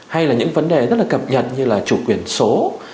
hay là những vấn đề rất là cập nhật như là chủ quyền số